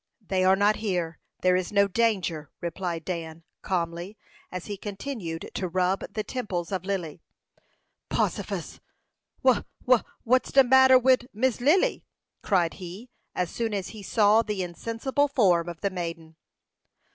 "They are not here; there is no danger," replied Dan, calmly, as he continued to rub the temples of Lily. "Possifus! Wha wha what's de matter wid Missy Lily?" cried he, as soon as he saw the insensible form of the maiden.